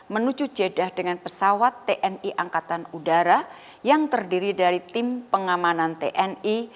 menuju jeddah dengan pesawat tni angkatan udara yang terdiri dari tim pengamanan tni